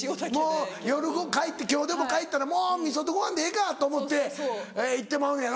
もう夜帰って今日帰ったら「もう味噌とご飯でええか」と思って行ってまうんやろ？